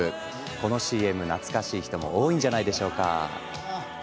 このＣＭ、懐かしい人も多いんじゃないでしょうか。